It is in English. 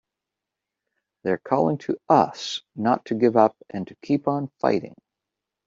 They're calling to us not to give up and to keep on fighting!